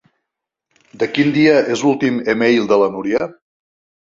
De quin dia és l'últim email de la Núria?